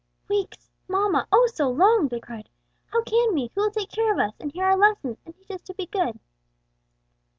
"Weeks, mamma! oh, so long!" they cried. "How can we? who will take care of us, and hear our lessons and teach us to be good?"